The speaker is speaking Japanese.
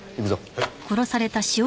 はい。